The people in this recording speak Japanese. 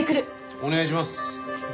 お願いします。